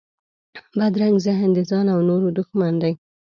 بدرنګه ذهن د ځان او نورو دښمن دی